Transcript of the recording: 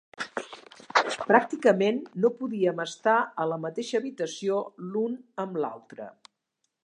Pràcticament no podíem estar a la mateixa habitació l'un amb l'altre.